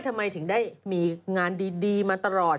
ทำไมถึงได้มีงานดีมาตลอด